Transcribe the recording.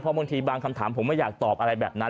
บางทีบางคำถามผมไม่อยากตอบอะไรแบบนั้น